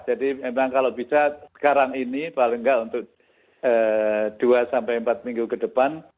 jadi memang kalau bisa sekarang ini paling nggak untuk dua empat minggu ke depan